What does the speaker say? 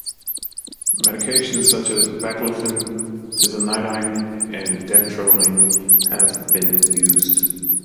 Medications such as baclofen, tizanidine, and dantrolene have been used.